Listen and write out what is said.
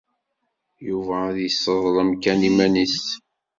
Yuba ad yesseḍlem kan iman-nnes.